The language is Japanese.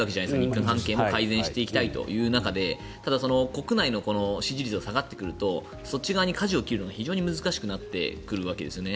日韓関係も改善していきたいという中でただ、国内の支持率が下がってくるとそっち側にかじを切るのが難しくなってくるわけですね。